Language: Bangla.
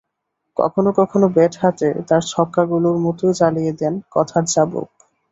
কখনো কখনো ব্যাট হাতে তাঁর ছক্কাগুলোর মতোই চালিয়ে দেন কথার চাবুক।